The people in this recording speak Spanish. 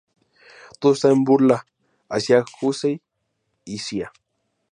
Todo esto en burla hacia Hussey y cia.